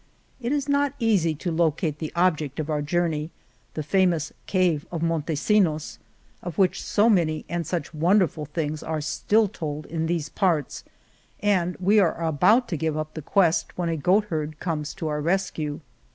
It is not easy to locate the object of our journey, the famous Cave of Montesinos, of which so many and such wonderful things are " still '* told in these parts,*' and we are about to give up the quest when a goatherd comes to our rescue.